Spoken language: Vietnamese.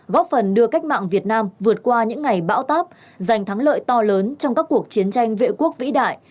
góp phần đưa cách mạng việt nam vượt qua những ngày bão táp giành thắng lợi to lớn trong các cuộc chiến tranh vệ quốc vĩ đại